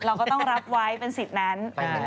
เราก็ต้องรับไว้เป็นสิทธิ์นั้น